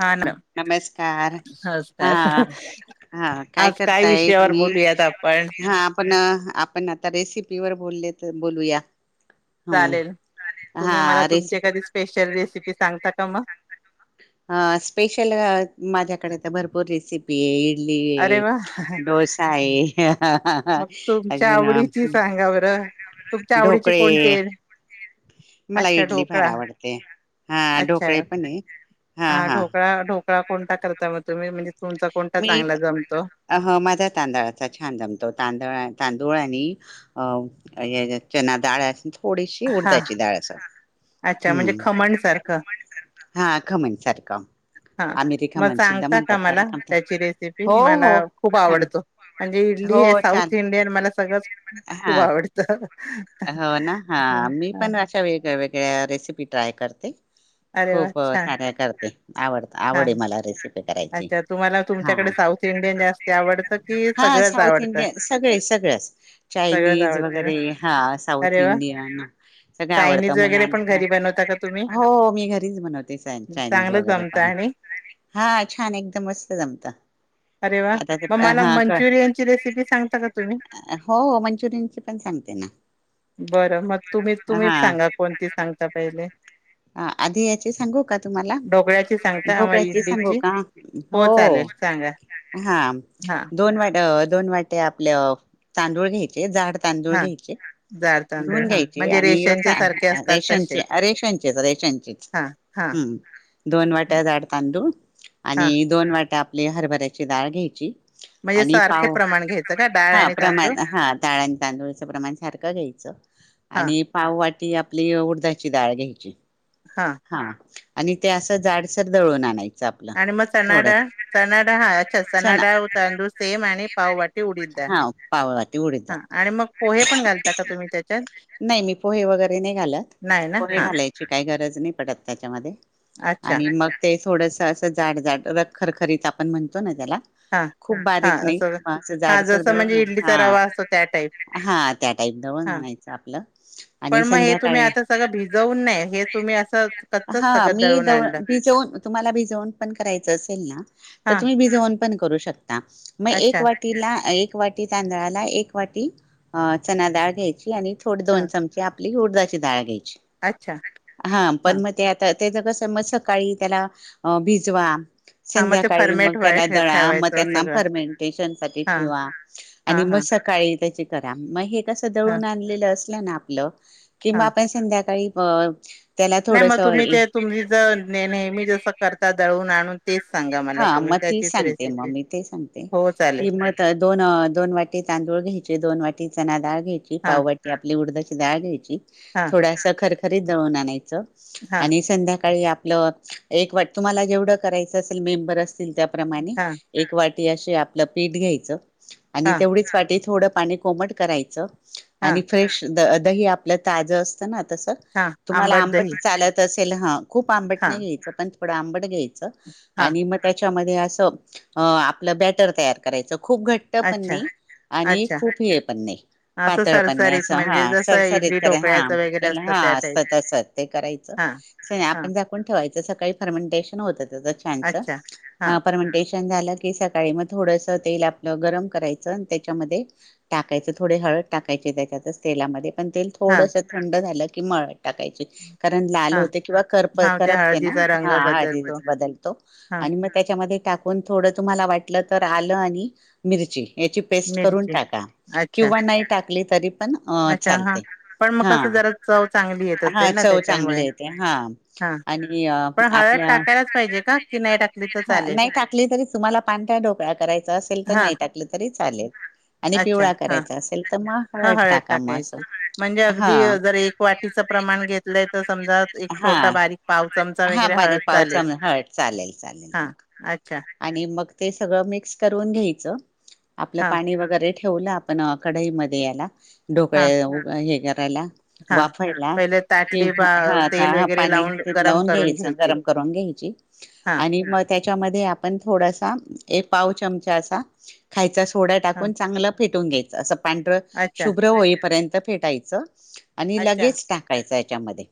हा ना नमस्कार हा. नमस्कार हा काय आज करतायेत विषयावर मी बोलूयात आपण हा आपण आपण आता रेसिपीवर बोलले. बोलूया. हम चालेल हा तुम्ही मला तुमची रेसिपी कधी स्पेशल रेसिपी सांगता का मग अ स्पेशल माझ्याकडे तर भरपूर रेसिपी आहे इडली अरे वा आहे डोसा आहे मग तुमच्या अजून आवडीची सांगा बरं. तुमच्या आवडीचे ढोकळे कोणतेल मला इडली फार आवडते हा अच्छा ढोकळे आहे पण हा ढोकळा ढोकळा कोणता करता मग तुम्ही म्हणजे तुमचा कोणता चांगला जमतो अह माझा तांदळाचा छान जमतो तांदळा तांदूळ आणि अ चना डाळ अस थोडीशी हा उडधची डाळ असे अच्छा म्हणजे खमण सारखं हा खमन सारखं हा आमिरी मग खमण सुद्धा सांगता का म्हणतात मला त्याला त्याची रेसिपी हो मला हो खूप सांग आवडतो म्हणजे इडली हो हे चाल साऊथ इंडियन मला सगळंच हा खूप आवडतं हो ना हा ह मी ह पण अशा वेगळ्या वेगळ्या रेसिपी ट्राय करते अरे वा खूप छान साऱ्या करते आवड हा आवडे मला रेसिपी अच्छा तुम्हाला तुमच्याकडे साऊथ इंडियन जास्ती आवडतं की सगळंच आवडतं सगळंच इ आवडतं ना र ह साऊथ अरे वा इंडियन सगळ चायनीज आवडतं वगैरे पण मुलांना घरी बनवता का तुम्ही हो मी घरीच बनवते चायनीज चांगलं वगैरे जमत पण आणि हा छान एकदम मस्त जमत अरे वा आता मग ते मला हा क मंचुरियनची रेसिपी सांगता का तुम्ही हो मंचुरियनची पण सांगते ना बरं मग तुम्ही तुम्ही सांगा कोणती सांगता पहिले ह आधी याचे सांगू का तुम्हाला ढोकळ्याची सांगता मग ढोकळ्याचे सांगू इडलीची का हो चालेल सांगा हा हा दोन वाट दोन वाटे आपल्या तांदूळ घेत झाड तांदूळ हा घ्यायचे जाड तांदूळ घेऊन हा घ्यायचे म्हणजे आणि रेशनचे यता सारखे असतात तसे रेशनचे रेशनचे हा हा हम्म दोन वाट्या जाड तांदूळ हा आणि दोन आपली हरभऱ्याची डाळ घ्यायची म्हणजे आणि सारखे पाव प्रमाण घ्यायचं का डाळ हा आणि तांदूळ प्रमाण हा ताळ आणि तांदूळाचं प्रमाण सारखं घ्यायचं हा आणि पाव वाट आपली उडधाची डाळ घ्यायची हा आणि ते असं जाडसर दळवणार नाही आणि मग चणाडा चणाडा हा अच्छा चना चणाडा तांदूळ सेम आणि पाववाटी उडील हा पाववाटी उडीद हा डाळ आणि मग पोहे पण घालता का तुम्ही त्याच्यात नाही मी पोहे वगैरे नाही घालात नाही ना पोहे हा घालायचे काही गरज नाही पडत त्याच्यामध्ये अच्छा आणि मग ते थोडस असं जाड जाड खरखरीत आपण म्हणतो ना हा खूप हा बारीक नाही असं मा हा झाडसर द जसं म्हणजे ना इडलीचा रवा असतो त्या टाईप हा हा त्या टाईप दवन हा आणायचं आपलं आणि पण मग हे तुम्ही संध्याकाळी आता सगळं भिजवून तुम्ही अस हा मी दळून भिजवून तुम्हाला भिजवून पण करायचं असेल ना तर हा तुम्ही भिजवून. पण करू शकता म एक अच्छा वाटीला अ एक. एक वाटी तांदळाला एक वाटी अ चणाडाळ घ्यायची आणि थोडं दोन हा चमचे आप पली उडदाची दाळ घ्याय. अच्छा! हा पण मग ते आता त्याच कसं मग सकाळी त्याला अ भिजवा. हा मग ते संध्याकाळी मग फर्मेट व्हाय त्याला ठे दळा मग ठेवायचं त्यांना सगळं फर्मेंटेशनसाठी हा ठेवा हा आणि म. हा सकाळी त्याचे. करा म हे कस हा दळून आणलेलं असलं ना आपलं कि हा म आपण संध्याकाळी. अब. नाही मग तुम्ही ते तुम्ही ज नेहमी हमी जसं करता दळून आणून. तेच सांगा मला हा तुम्ही मग ती त्याचीच सांगते मग रेसिपी मी ती सांगते हो चालेल की मग दोन दोन वाटी तांदूळ. घ्यायचे दोन वाटी. चणाडाळ घ्यायची, हां पाववाटी आपली उडदाची डाळ घ्यायची हां थोडसं खरखरीत दळून आणायचं. चं हां आणि संध्याकाळी आपलं एक वाट तुम्हाला जेवढं करायचं असेल तेवढं मेंबर असती. तील त्याप्रमाणे हां एक वाटी असे आपलं पीठ घ्यायचं आणि हां तेवढीच वाटी. थोडं पाणी कोमट करायचं आणि हां फ्रेश द दही आपलं ताजं असतं ना. तस हां तुम्हाला दही आंबट चालत असेल हा खूप आंबट हां नाही घ्यायचं पण थोडं आंबट घ्यायचं. हां आणि मग त्याच्यामध्ये असं अ आपलं बॅटर तयार करायचं,. खूप घट्ट पण अच्छा नाही आणि अच्छा खूप हे पण नाही.. असं पातळ पण नाही सरसरीत असं हा म्हणजे जसं सरसरीत इडली करा हा ढोकळ्याचं वगैरे इन असतं हा त्या टाईप तस तस ते करायचं. हां कसंय ना हां आपण झाकून ठेवायचं सकाळी फर्मेंटेशन होतं त्याचं छानसं अच्छा हां आ फर्मेंटे शन झालं की सकाळी मग थोडसं तेल आपलं गरम करायचं अन त्याच्यामध्ये टाकायचं थोडे हळद टाकायची त्याच्यातच तेलामध्ये पण तेल हां थोडस थंड झालं की मळायचं. टाकायची कारण लाल हां होते किंवा करप हां ते करपते ना हळदीचा रंग हा हळदी बदलतो वरच बदल. हां आणि म त्याच्यामध्ये टाकून थोडं तुम्हाला वाटलं तर आलं आणि मिरची. याची पेस्ट करून मिरची टाका अच्छा किंवा नाही टाकली तरी पण अ अच्छा हां चालते पण मग हं कसं जरा चव चांगली येत हा असेल ना चव चांगली त्याच्यामुळे येते हा. हां आणि अ पण हळद आपल्या टाकायलाच पाहिजे का की नाही टाकली तर हा चालेल नाही टाकली तरी तुम्हाला पांथट ढोकळा करायचा असेल तर हा नाही टाकलं तरी चालेलं. हा आणि अच्छा पिवळा हा करायचा असेल तर मग हळद टाका मग असं म हळद टाकायची हं म्हणजे अगदी तीचं प्रमाण घेतलंय तर समजा एक छोटा हा. बारीक पाव चमचा हा वगैरे बारीक हळद पाव चालेलं. चमचा हळद चालेल चालेल मग. अच्छा. आणि मग ते सगळं मिक्स करून घ्यायचं आपलं हा पाणी वगैरे ठेवलं आपण अ कढईमध्ये याला हा ढोकळे हे करायला. हा वाफायला पहिले कि ताटली बा हा तेल हा वगैरे पाणी लावून तूप गरम लावून करून घ्यायचं घ्यायची गरम करून घ्यायचं. चे हा आणि म त्या च्यामध्ये आपण थोडासा एक पाव चमचा असा खायचा सोडा हा टाकून चांगलं. फेटून घ्यायचं असं पांढर अच्छा शुभ्र होईपर्यंत फेटायचं. आणि अच्छा लगेच टाकायचं याच्यामध्ये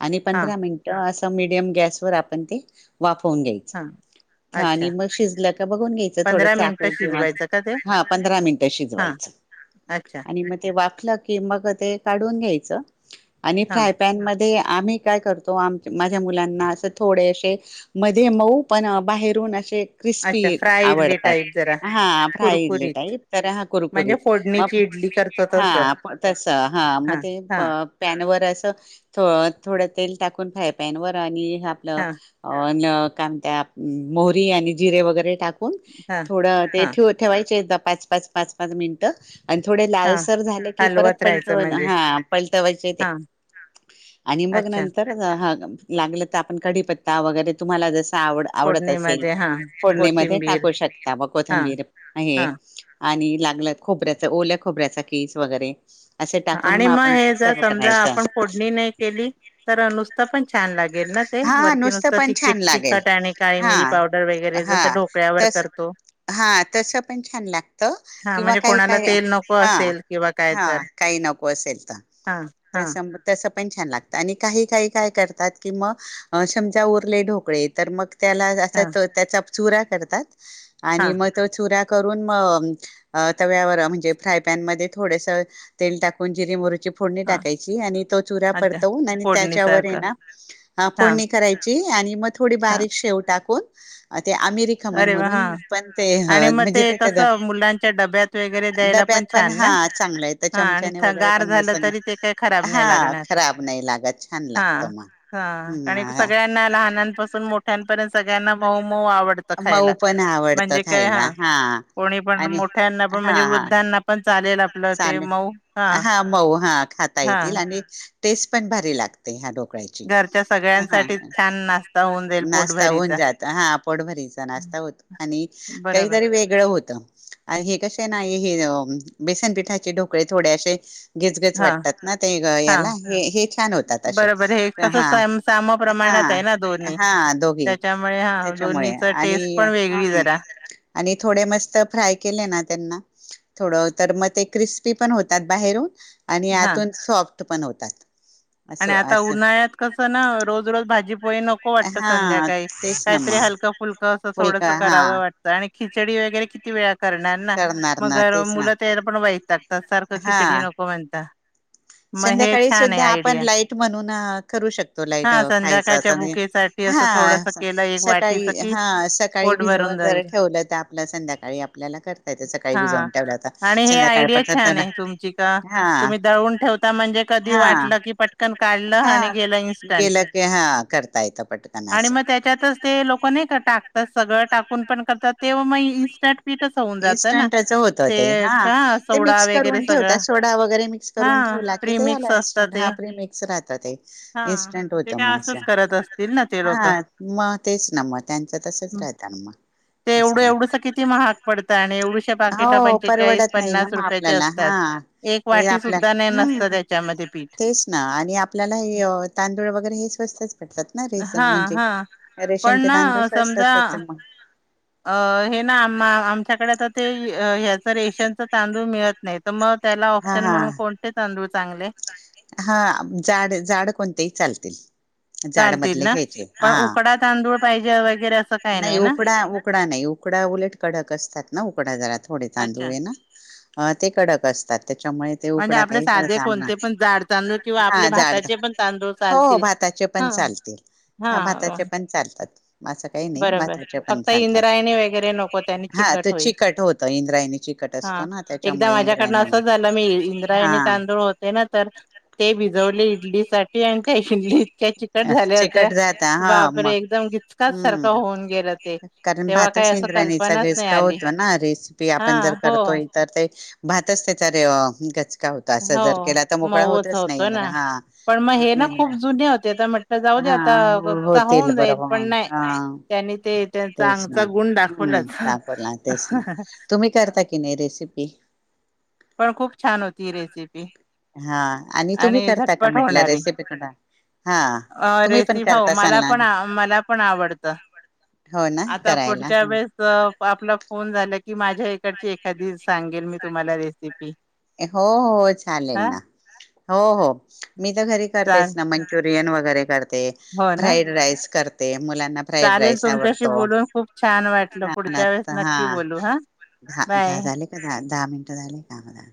आणि हा पंधरा मिनटं असं. सं मिडीयम गॅसवर आपण ते वाफवून घ्यायचं. हा हा आणि अच्छा मग शिजलं का बघून घ्यायचं थोडं पंधरा मिनिटं चाकू किंवा शिजवायचं का ते हा पंधरा मिनटं हा शिजवायचं अच्छा. वाफला कि मग ते काढून घ्यायचं आणि हा फ्राय पॅनमध्ये. आम्ही काय करतो आमच्या माझ्या मुलांना अस थोडे असे मध्ये मऊ पण अ बाहेर ठेवून असे. अच्छा क्रिस्पी फ्राय इडली आवडतात टाईप जरा हा फ्राय इडली कुरकुरीत टाईप तर हा म्हणजे कुरुकुरीत मग. फोडणीची इडली करतो तसं हा तसं हा मग हां ते प हां पॅनवरच. थ थोडं तेल टाकून फ्राय पॅनवर आणि आपलं हां अ ण कात्या मोहरी आणि जिरे वगैरे टाक हां. थोडं ते हां ठे ठेवायचे पाच पाच पाच पाच मिनटं. आणि थोडे हां लालसर झाले की परत हलवत राहायचं पलटव म्हणजे हा पलटवायचे ते. हां आणि निबाग अच्छा नंतरा लागलं तर आपण कढीपत्ता वगैरे तुम्हाला जस आवड आवडत. फोडणीमध्ये हां. फोडणी मध्ये कोथिंबीर टाकू शकता व हां कोथंबीर हे हां आणि लागल्या खोबऱ्याचा ओल्या खोबऱ्याचा किस वगैरे असे हां टाकून आणि मग आपण ते हे जर सर्व समजा करायच. आपण फोडणी नाही केली तर नुसतं पण छान लागेल ना ते हा वरती नुसतं पण तिकीट छान लागेल तिखट आणि काळी हा मिरी पावडर वगैरे हा जसं ढोकळ्यावर तस. करतो हा तस पण छान लागत हां किंवा म्हणजे काही कोणाला काही तेल नको हा असेल किंवा काय हा. तर काही नको असेल तर हां हां तसं तसं पण छान लागतं आणि काही काही काय करतात. कि मग समजा उरले ढोकळे तर मग त्याला असा हां त्याचा चुरा करतात. आणि हां मग तो चुरा करून मग तव्यावर म्हणजे फ्राय पॅनमध्ये थोडसं तेल टाकून जिरे मोहरी ची फोडणी हां टाकायची आणि तो चुरा अच्छा परतवून आणि त्याच्यावर फोडणीसारखं ना हां फोडणी करायची आणि मग थोडी हां बारीक शेव टाकून अ, ते अमिर खमण अरे वा म्हणून हां पण ते आणि मग म्हणजे ते त्याच्या डब्यात. कसं मुलांच्या डब्यात वगैरे द्यायला पण छान ना? हा चांगलं आहे तर हा आणि चमचाने थ वगैरे गार पण बस झालं तरी ते काही खराब नाही हा लागणार. खराब नाही लागत. छान लागत. हा. मग हा हम्म सगळ्यांना लहानांपासून मोठ्यांपर्यंत सगळ्यांना मऊ मऊ आवड मऊ पण आवडत खायला हा कोणी पण आणि मोठ्यांना पण हा म्हणजे हा. वृद्धांना पण चालेल आपलं ते चालेल मऊ हा मऊ हा खाता हा येतील आणि टेस्ट पण भारी लागते घरच्या हा. सगळ्यांसाठी छान नाश्ता होऊन जाईल नाष्टा होऊन पोटभरीचा. जात हा पोटभरीचा नाष्टा बरोबर काहीतरी वेगळ होत हे कसय ना. बेसनपिठाचे ढोकळे थोडेे असे. गच गच हा वाटतात ना ते हा याला हे छान होतात असे बरोबर हे कसं हा. सम साम प्रमाणात आहे ना दोन्ही. हा दोघे त्याच्यामुळे हा त्याच्यामुळे दोन्हीच टेस्ट आणि पण हा. वेगळी जरा थोडे मस्त फ्राय केले ना त्यांना थोडं तर मग ते क्रिस्पी पण होतात बाहेरून आणि हा यातून सॉफ्ट पण होतात. आणि असं आता असं उन्हाळ्यात कस ना रोज रोज भाजी नको वाट हा संध्याकाळी तेच ना काहीतरी मग हलं फुलकं असं थोड फुलका हा करावं वाटत. खिचडी वगैरे किती वेळात करणार ना करणार ना मगर तेच ना मुलं त्याला पण वैतागतात सारखं खिचडी हा नको म्हणता. मग हे संध्याकाळी छान आहे सुद्धा आपण आयडिया लाईट. म्हणून करू शकतो लाईट हा खायच संध्याकाळच्या असं भुकेसाठी हा असं थोडस केलं एक वाटीच सकाळी की हा सकाळी पोट भिजवून भरून जाईल जर ठेवलं तर आपलं संध्याकाळी आपल्याला करता येतं सकाळी हा भिजवून ठेवलं तर आणि हे आयडिया छान आहे तुमची का हा तुम्ही दळून ठेवता. कधी हा वाटलं की पट पटकन काढलं आणि हा गेलं इन्स्टंट गेलं की हा करता येतं पटकन अस आणि मग त्याच्यात ते नाही का टाकतात सगळं टाकून पण करतात तेव्हा म इन्स्टंट. पीठच होऊन जातं ना इस्टंटच होत ते हा का ते सोडा मिक्स वगैरे करून सगळं ठेवतात सोडा वगैरे मिक्स हा करून ठेवला किथ झाला प्रीमिक्स असतं इन्स्टंट ते हा प्रिमिक्स राहत ते हा इन्स्टंट ते होतं काय मग असंच असं. करत असतील ना ते हा लोक मग तेच ना मग त्यांचं तसच राहत ना मग ते असं एवढं आहे एवढंस किती महा हो परवडत नाही ना पन्नास मग रुपयाचे आपल्याला असतात हा. एक हे वाटी सुद्धा नाही आपल्याला म्ह नसतं त्याच्यामध्ये पीठ तेच. ना आणि आपल्याला हे तांदूळ वगैरे हे स्वस्तच. हा [unintelligible] म्हणजे हा पण रेशनचे ना तांदूळ समजा असत म अ, हे ना, आ ऽआमच्याकडे आता तेऽ ह्याचं रेशनच तांदूळ मिळत नाही, तर मग त्याला ऑप्शन म्हणून कोणते तांदूळ चांगले? हां जाड, जाड कोणतेही चालतील. चालतील जाडमधले ना घ्यायचे हा पण उकडा तांदूळ पाहिजे वगैरे असं काही नाही ना उकडा उकडा नाही. उकडा उलट कडक असतात ना उकडा जरा थोडे अच्छा तांदूळ ना ते कडक असतात. त्याच्यामुळे ते म्हणजे उकडा आपले काहीच साधे सामना कोणते पण जाड तांदूळ किंवा हां, आपले जाड भाताचे पण तांदूळ होऽ चालतील भाताचे पण हा चालतील. हां हा भाताचे पण चाल. बरोबर, फक्त चालतात इंद्रायणी वगैरे नको त्यांनी हा तो चिकट होईल. होतं इंद्रायणी चिकट असतो हा ना एकदा त्याच्यामुळे माझ्याकडनं इंद्रायणी असं झालं मी हा इंद्रायणी तांदूळ होते ना. तर ते भिजवले इडली साठी आणि त्या इडली. अ चिकट झाल्या चिकट होत्या जात हा बापरे मग एकदम गिचकाच हम्म. सारखं होऊन गेलं ते कारण तेव्हा भातच काही असं ईद्रायणीचा कल्पनाच नाही गिचका आली होतो नारेसिपी हा आपण जर हो करतोय. तर ते भातच त्या रे. का होत असं जर हो केला तर मोकळा मऊच होतच नाही. होतो ना इंद्र हा पण मग हे म्ह ना खूप इंद्र जुने होते तर म्हटलं जाऊ दे आता हां हो, चा होतील होऊन जाईल बरं पण नाही हा त्यांनी ते त्यांचा तेच ना. अंगचा गुण हम्म, दाखवलाच सापडला तेच ना,, तुम्ही करता की नाही रेसिपी? पण खूप छान होती रेसिपी. हा, आणि तुम्ही करता का झटपट म्हटलं होणारी रेसिपी कडं अ रेसी भाऊ मला पण मला पण आवडत. हो ना आता करायला पुढच्या ह वेळेस आपला झालं की माझ्या इकडची एखादी सांगेल मी तुम्हाला रेसि हो, हो, चालेल हा ना. हो हो, मी तर घरी चाल करतेस ना मंचुरियन वगैरे करते रते, हो ना फ्राईड राईस करते, मुलांना फ्राईड चालेल राईस तुमच्याशी आवडतो. बोलून खूप छान वाटलं पुढच्या वेळेस नक्की बोलू हा बाय. हांझाले का दहा मिनट झाले का?